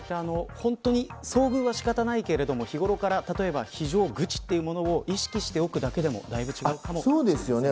加えて、遭遇は仕方ないけど日頃から非常口というものを意識しておくだけでもだいぶ違うかもしれませんね。